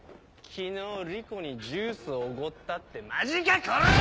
昨日理子にジュースおごったってマジかこら！